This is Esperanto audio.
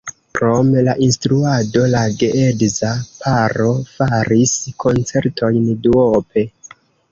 Krom la instruado la geedza paro faris koncertojn duope.